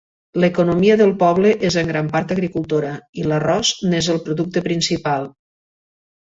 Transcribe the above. L'economia del poble és en gran part agricultora, i l'arròs n'és el producte principal.